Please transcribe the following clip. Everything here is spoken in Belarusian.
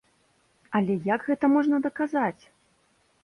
Але як гэта можна даказаць?